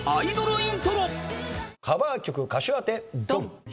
カバー曲歌手当てドン！